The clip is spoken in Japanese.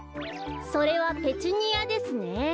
それはペチュニアですね。